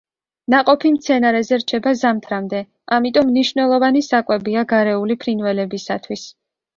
ნაყოფი მცენარეზე რჩება ზამთრამდე, ამიტომ მნიშვნელოვანი საკვებია გარეული ფრინველებისათვის.